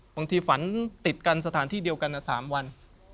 ฝันติดกันสถานที่เดียวกัน๓วัน